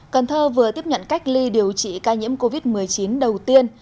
cần thơ vừa tiếp nhận cách ly điều trị ca nhiễm covid một mươi chín đầu tiên